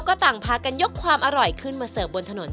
เช่นอาชีพพายเรือขายก๋วยเตี๊ยว